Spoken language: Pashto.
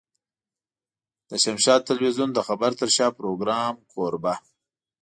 د شمشاد ټلوېزيون د خبر تر شا پروګرام کوربه.